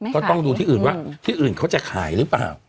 ก็ต้องดูที่อื่นว่าที่อื่นเขาจะขายหรือเปล่า